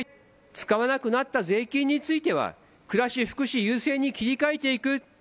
使わなくなった税金については暮らし、福祉優先に切り替えていく。